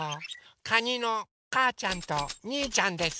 かにのかーちゃんとにーちゃんです。